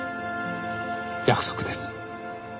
約束です。